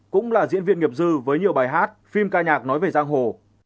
cũng là diễn viên nghiệp dư với nhiều bài hát phim ca nhạc nói về giang hồ